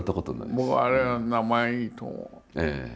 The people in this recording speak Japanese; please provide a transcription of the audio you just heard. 僕はあれは名前いいと思う。